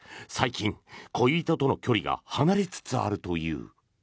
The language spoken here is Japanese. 最近、恋人との距離が離れつつあるという。